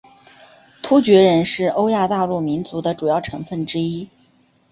突厥人是欧亚大陆民族的主要成份之一。